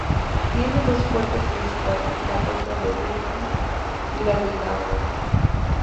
Tiene dos puertas principales: la puerta de Delhi y la de Lahore.